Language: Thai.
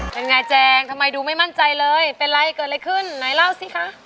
เป็นไงแจงทำไมดูไม่มั่นใจเลยเป็นไรเกิดอะไรขึ้นไหนเล่าสิคะ